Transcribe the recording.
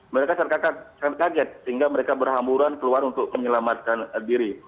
mereka sangat kaget sehingga mereka berhamburan keluar untuk menyelamatkan diri